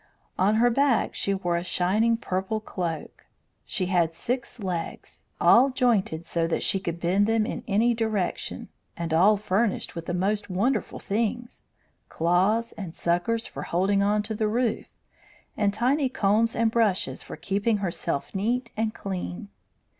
On her back she wore a shining purple cloak. She had six legs, all jointed so that she could bend them in any direction, and all furnished with the most wonderful things, claws and suckers for holding on to the roof, and tiny combs and brushes for keeping herself neat and clean.